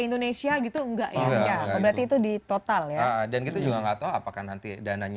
indonesia gitu enggak ya enggak berarti itu di total ya dan kita juga enggak tahu apakah nanti dananya